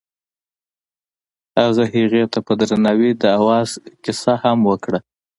هغه هغې ته په درناوي د اواز کیسه هم وکړه.